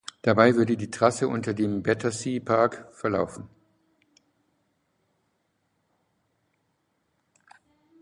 Dabei würde die Trasse unter dem Battersea Park verlaufen.